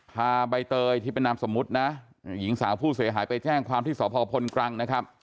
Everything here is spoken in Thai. ใบเตยที่เป็นนามสมมุตินะหญิงสาวผู้เสียหายไปแจ้งความที่สพพลกรังนะครับ